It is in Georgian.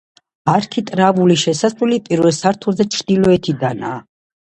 არქიტრავული შესასვლელი პირველ სართულზე ჩრდილოეთიდანაა.